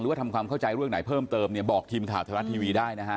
ว่าทำความเข้าใจเรื่องไหนเพิ่มเติมเนี่ยบอกทีมข่าวไทยรัฐทีวีได้นะฮะ